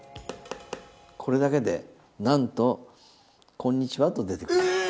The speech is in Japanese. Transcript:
これだけでなんとこんにちはと出てくる。